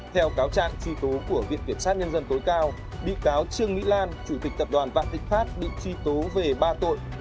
theo cáo trạng truy tố của viện kiểm sát nhân dân tối cao bị cáo trương mỹ lan chủ tịch tập đoàn vạn thịnh pháp bị truy tố về ba tội